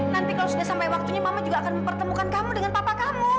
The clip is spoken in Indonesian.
nanti kalau sudah sampai waktunya mama juga akan mempertemukan kamu dengan papa kamu